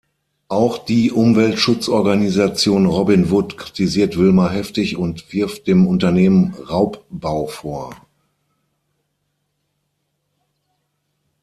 Auch die Umweltschutzorganisation Robin Wood kritisiert Wilmar heftig und wirft dem Unternehmen Raubbau vor.